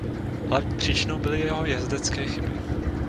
Hlavní příčinou byly jeho jezdecké chyby.